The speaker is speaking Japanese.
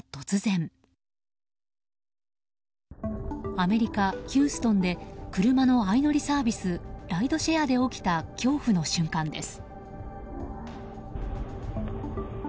アメリカ・ヒューストンで車の相乗りサービスライドシェアで起きた恐怖の瞬間です。